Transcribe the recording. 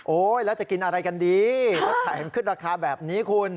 แล้วจะกินอะไรกันดีแล้วแถมขึ้นราคาแบบนี้คุณ